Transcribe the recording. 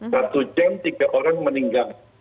satu jam tiga orang meninggal